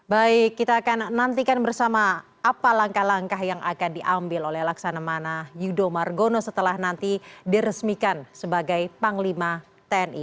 baik kita akan nantikan bersama apa langkah langkah yang akan diambil oleh laksanamana yudho margono setelah nanti diresmikan sebagai panglima tni